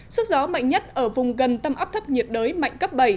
sức gió mạnh nhất ở vùng gần tâm áp thấp nhiệt đới mạnh cấp bảy